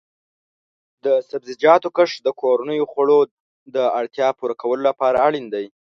د سبزیجاتو کښت د کورنیو خوړو د اړتیا پوره کولو لپاره اړین دی.